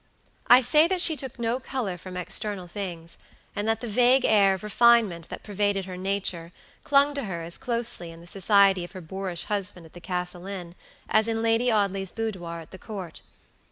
I say that she took no color from external things, and that the vague air of refinement that pervaded her nature clung to her as closely in the society of her boorish husband at the Castle Inn as in Lady Audley's boudoir at the Court.